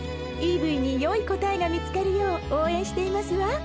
イーブイによい答えが見つかるよう応援していますわ。